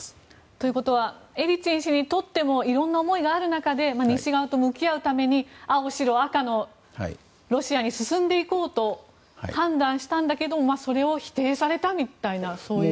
ということはエリツィン氏にとってもいろんな思いがある中で西側と向き合うために青、白、赤のロシアに進んでいこうと判断したんだけどもそれを否定されたみたいなそういうこと。